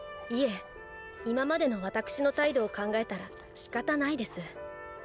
いえ今までのわたくしの態度を考えたらしかたないです。